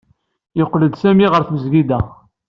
Yeqqel-d Sami ɣer tmesgida.